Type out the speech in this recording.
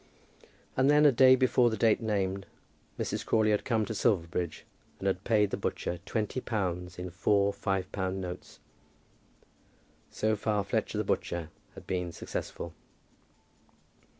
And then a day before the date named, Mrs. Crawley had come to Silverbridge, and had paid the butcher twenty pounds in four five pound notes. So far Fletcher the butcher had been successful.